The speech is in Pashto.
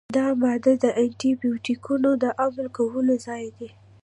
دا ماده د انټي بیوټیکونو د عمل کولو ځای دی.